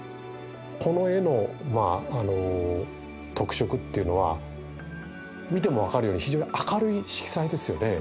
この絵の特色っていうのは見ても分かるように非常に明るい色彩ですよね。